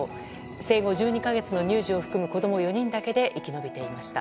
生後１２か月の乳児を含む子供４人だけで生き延びていました。